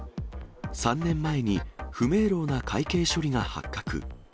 ３年前に不明朗な会計処理が発覚。